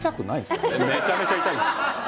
めちゃくちゃ痛いです。